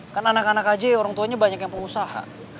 kan anak anak aja ya orang tuanya banyak yang pengusaha